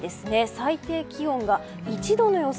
最低気温が１度の予想。